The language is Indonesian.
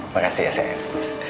makasih ya sayang